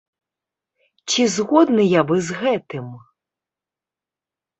Ці згодныя вы з гэтым?